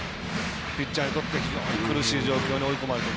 ピッチャーにとって非常に苦しい状況に追い込まれている。